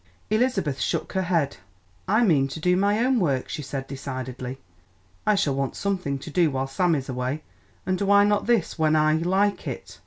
Elizabeth shook her head. "I mean to do my own work," she said decidedly. "I shall want something to do while Sam is away, and why not this when I like it?"